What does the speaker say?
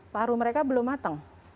paru mereka belum matang